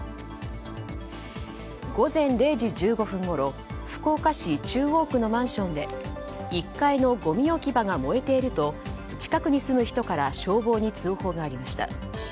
午前０時１５分ごろ福岡市中央区のマンションで１階のごみ置き場が燃えていると近くに住む人から消防に通報がありました。